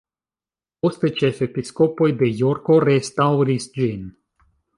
Poste ĉefepiskopoj de Jorko restaŭris ĝin.